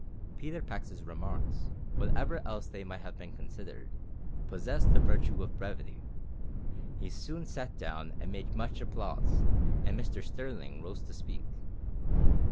Peter Pax's remarks, whatever else they might have been considered, possessed the virtue of brevity. He soon sat down amid much applause, and Mr Sterling rose to speak.